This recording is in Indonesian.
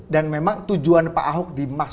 dan memang tujuan pak ahok dimasukkan